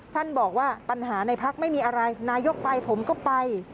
ท่านบอกว่าปัญหาในพักไม่มีอะไรนายกไปผมก็ไป